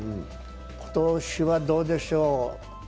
今年はどうでしょう。